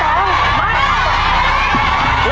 นักงานสรุป